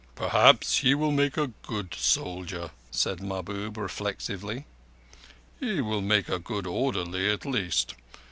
"Perhaps he will make a good soldier," said Mahbub reflectively. "He will make a good orderly at least.